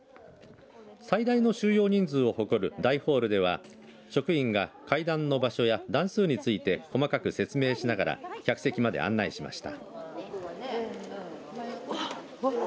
最大の収容人数を誇る大ホールでは職員が階段の場所や段数について細かく説明しながら客席まで案内しました。